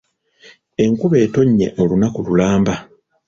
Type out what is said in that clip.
Enkuba etonnye olunaku lulamba.